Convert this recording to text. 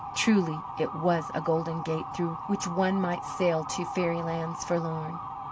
Truly, it was a golden gate through which one might sail to "faerie lands forlorn."